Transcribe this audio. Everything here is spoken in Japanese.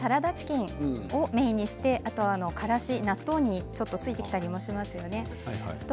市販のサラダチキンをメインにしてからし、納豆にちょっとついていたりもしますよね。